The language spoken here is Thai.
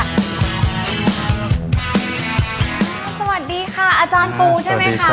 สวัสดีค่ะอาจารย์ปูใช่ไหมคะ